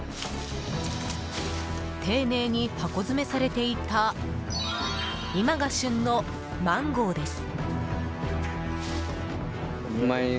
丁寧に箱詰めされていた今が旬のマンゴーです。